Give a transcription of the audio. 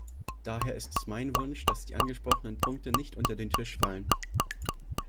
Daher ist es mein Wunsch, dass die angesprochenen Punkte nicht unter den Tisch fallen.